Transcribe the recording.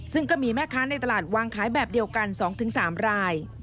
ซึ่งก็มีแม่ค้าในตลาดวางขายแบบเดียวกัน๒๓ราย